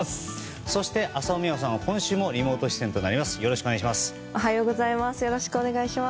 そして、浅尾美和さんは今週もリモート出演となります。